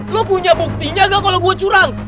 lu punya buktinya gak kalo gue curang